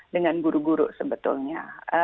dengan guru guru sebetulnya